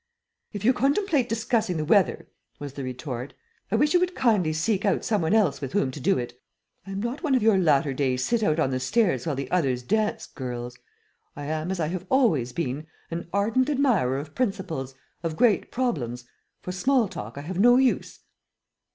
"If you contemplate discussing the weather," was the retort, "I wish you would kindly seek out some one else with whom to do it. I am not one of your latter day sit out on the stairs while the others dance girls. I am, as I have always been, an ardent admirer of principles, of great problems. For small talk I have no use."